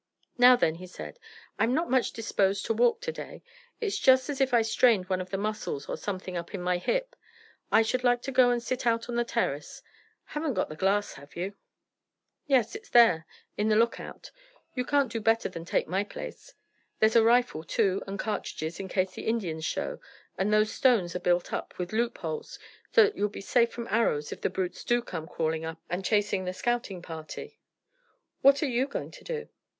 "Now then," he said, "I'm not much disposed to walk to day. It's just as if I'd strained one of the muscles or something up in my hip. I should like to go and sit out on the terrace. Haven't got the glass, have you?" "Yes, it's there, in the lookout. You can't do better than take my place. There's a rifle too, and cartridges, in case the Indians show, and the stones are built up with loop holes so that you'll be safe from arrows if the brutes do come crawling up and chasing the scouting party." "What are you going to do?"